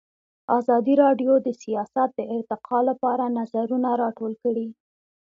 ازادي راډیو د سیاست د ارتقا لپاره نظرونه راټول کړي.